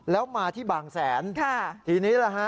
แล้วมาที่บางแสนค่ะทีนี้แหละฮะ